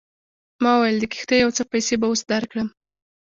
ما وویل د کښتۍ یو څه پیسې به اوس درکړم.